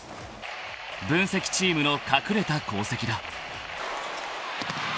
［分析チームの隠れた功績だ］